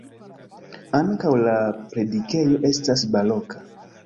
Ankaŭ la predikejo estas baroka.